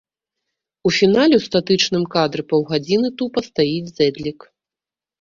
У фінале ў статычным кадры паўгадзіны тупа стаіць зэдлік.